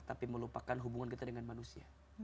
tapi melupakan hubungan kita dengan manusia